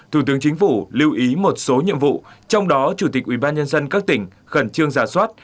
thủ tướng chính phủ lưu ý một số nhiệm vụ trong đó chủ tịch ủy ban nhân dân các tỉnh khẩn trương giả soát